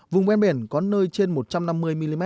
vùng ven biển có nơi trên một trăm năm mươi mm